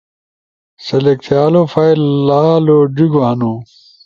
سلیکٹ تھیالو فائل لالو ڙیگو ہنو